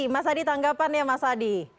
mas adi tanggapan ya mas adi